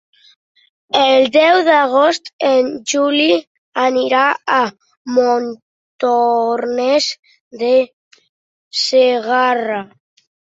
El deu d'agost en Juli anirà a Montornès de Segarra.